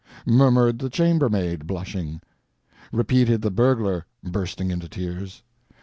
"... murmured the chambermaid, blushing." "... repeated the burglar, bursting into tears."